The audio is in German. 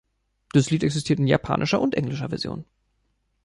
Das Lied existiert in japanischer und englischer Version.